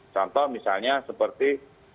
contoh misalnya seperti